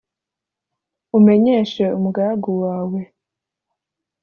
umenyeshe umugaragu wawe